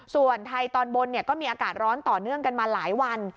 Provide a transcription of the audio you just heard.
ส่วนไทยตอนบนก็มีอากาศร้อนต่อเนื่องกันมาหลายวัน